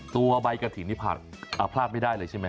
ตัวใบกะติ๋นพลากปลากไม่ได้เลยใช่มั้ย